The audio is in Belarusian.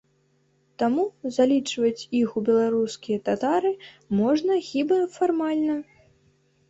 Таму залічваць іх у беларускія татары можна хіба фармальна.